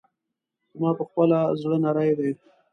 زما پخپله زړه نری دی.